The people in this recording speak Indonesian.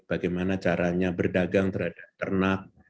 bagaimana caranya berdagang ternak